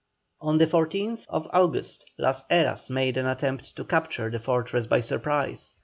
On the 14th August Las Heras made an attempt to capture the fortress by surprise.